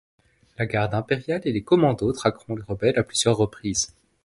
La Garde impériale et les Commandos traqueront les rebelles à plusieurs reprises.